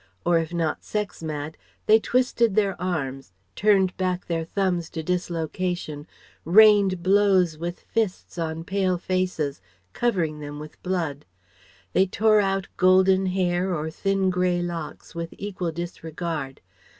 Or, if not sex mad, they twisted their arms, turned back their thumbs to dislocation, rained blows with fists on pale faces, covering them with blood. They tore out golden hair or thin grey locks with equal disregard.